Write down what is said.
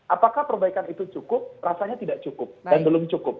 apakah perbaikan itu cukup rasanya tidak cukup dan belum cukup